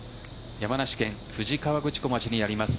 山梨県富士河口湖町にあります